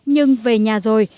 nhưng về nhà rồi